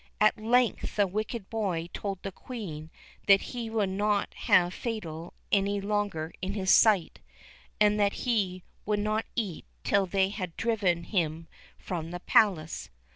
At length the wicked boy told the Queen that he would not have Fatal any longer in his sight, and that he would not eat till they had driven him from the Palace.